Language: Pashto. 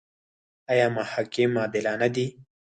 آیا محاکم عادلانه دي؟